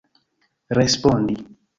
respondi